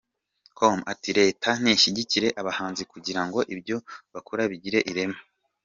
com ati "Leta nishyigikire abahanzi kugira ngo ibyo bakora bigire ireme.